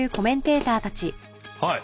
はい。